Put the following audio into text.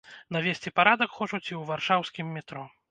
Навесці парадак хочуць і ў варшаўскім метро.